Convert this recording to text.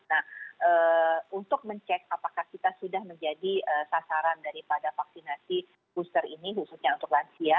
nah untuk mencek apakah kita sudah menjadi sasaran daripada vaksinasi booster ini khususnya untuk lansia